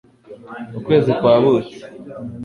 ukwezi kwa buki